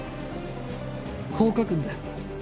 こう書くんだよ。